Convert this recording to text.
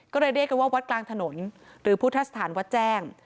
ก็เลยเรียกกันว่าวัดกลางถนนหรือพุทธสถานวัดแจ้ง